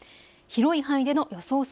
広い範囲での予想